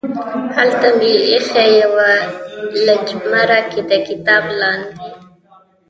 هلته مې ایښې یوه لجرمه د کتاب لاندې